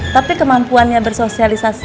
tapi kemampuannya bersosialisasi